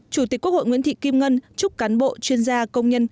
chủ tịch quốc hội nguyễn thị kim ngân chúc cán bộ chuyên gia công nhân